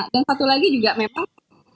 dan satu lagi juga memang